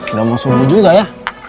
udah mau subuh juga ya